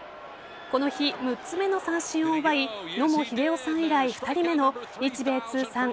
この日６つ目の三振を奪い野茂英雄さん以来２人目の日米通算３０００